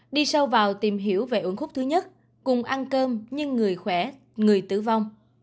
đi sâu vào tìm hiểu về uốn khúc thứ nhất cùng ăn cơm nhưng người khỏe người tử vong